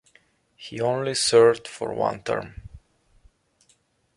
He only served for one term.